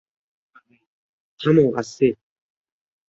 থামো, আসছি।